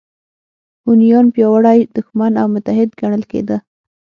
هونیان پیاوړی دښمن او متحد ګڼل کېده